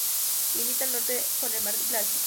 Limita al norte con el mar Báltico.